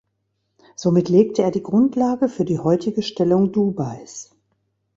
Somit legte er die Grundlage für die heutige Stellung Dubais.